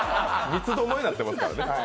三つ巴になってますからね。